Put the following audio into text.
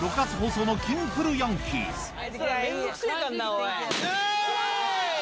おい！